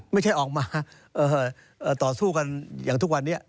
ไม่ใช่ออกมาต่อสู้กันอย่างทุกวันนี้